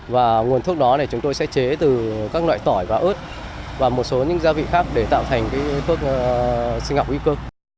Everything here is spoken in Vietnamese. và nguồn thuốc đó này chúng tôi sẽ chế từ các loại tỏi và ớt và một số những gia vị khác để tạo thành thuốc sinh học y cơ